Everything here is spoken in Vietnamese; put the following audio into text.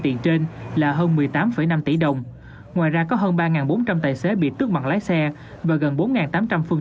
tiền trên là hơn một mươi tám năm tỷ đồng ngoài ra có hơn ba bốn trăm linh tài xế bị tước bằng lái xe và gần bốn tám trăm linh phương